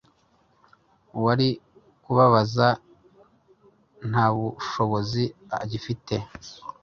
uwari kubabaza ntabushobozi agifite